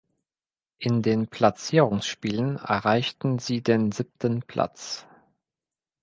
In den Platzierungsspielen erreichten sie den siebten Platz.